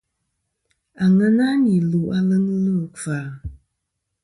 Àŋena nì lù aleŋ ɨlvɨ ikfa.